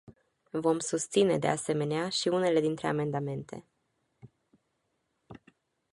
Vom susține, de asemenea, și unele dintre amendamente.